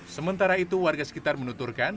sementara itu warga sekitar menuturkan